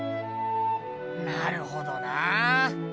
なるほどなあ。